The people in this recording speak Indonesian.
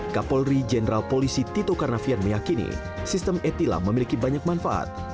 kapolri jenderal polisi tito karnavian meyakini sistem e tila memiliki banyak manfaat